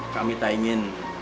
kami tak ingin